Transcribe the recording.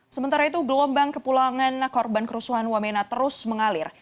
sementara itu gelombang kepulangan korban kerusuhan wamena terus mengalir